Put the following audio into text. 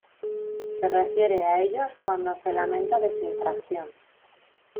se refiere a ellos cuando se lamenta de su infracción